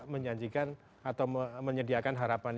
menjanjikan atau menyediakan harapan